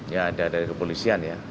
ya ada dari kepolisian ya